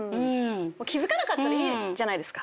気付かなかったらいいじゃないですか。